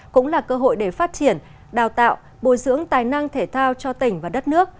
cũng là cơ hội để phát triển đào tạo bồi dưỡng tài năng thể thao cho tỉnh và đất nước